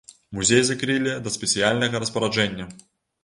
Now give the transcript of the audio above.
Музей закрылі да спецыяльнага распараджэння.